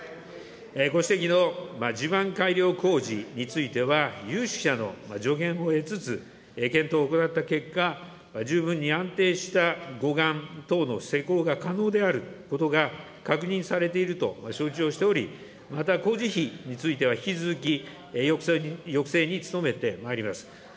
ご指摘の地盤改良工事については、有識者の助言も得つつ、検討を行った結果、十分に安定した護岸等の施工が可能であることが確認されていると承知をしており、また工事費については、引き続き抑制に努めてまいります。